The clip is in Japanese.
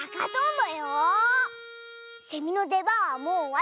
セミのでばんはもうおわり！